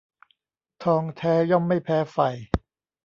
ทองแท้ย่อมไม่แพ้ไฟ